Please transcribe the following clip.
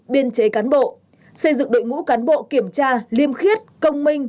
biên chế cán bộ xây dựng đội ngũ cán bộ kiểm tra liêm khiết công minh